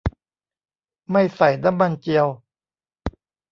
ไม่ใส่น้ำมันเจียว